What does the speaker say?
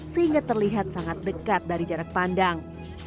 sehingga terlihat sangat dekat dari jarak pandang